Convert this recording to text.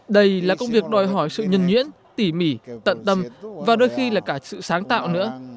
đây là công việc đòi hỏi sự nhân nhuyễn tỉ mỉ tận tâm và đôi khi là cả sự sáng tạo nữa